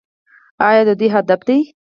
او د دوی هدف دی.